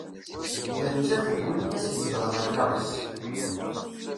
Nettat d win i as-izedɣen allaɣ-is.